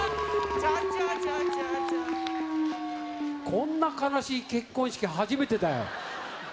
こんな悲しい結婚式、初めてだよ。